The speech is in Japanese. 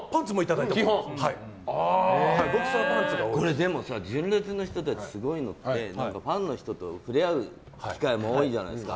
でも、純烈の人たちすごいのってファンの人と触れ合う機会も多いじゃないですか。